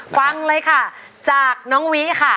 ฟังเลยค่ะจากน้องวิค่ะ